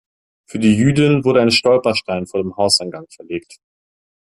Für die Jüdin wurde ein Stolperstein vor dem Hauseingang verlegt.